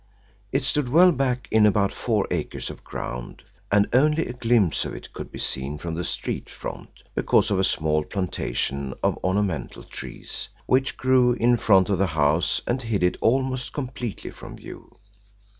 It stood well back in about four acres of ground, and only a glimpse of it could be seen from the street front because of a small plantation of ornamental trees, which grew in front of the house and hid it almost completely from view.